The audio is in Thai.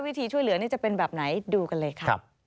วิธีช่วยเหลือนี่จะเป็นแบบไหนดูกันเลยค่ะ